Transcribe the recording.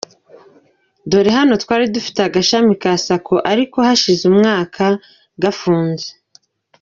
Dore hano twari dufite agashami ka Sacco ariko hashize umwaka gafunze.